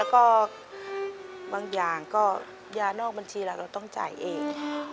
แล้วก็บางอย่างก็ยานอกบัญชีเราเราต้องจ่ายเอง